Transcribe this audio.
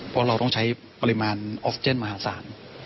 เพราะเราต้องใช้ปริมาณออกซิเจนมหาศาล